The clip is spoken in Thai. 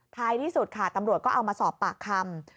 ท้ายที่สุดค่ะตำรวจก็เอามาสอบปากคำ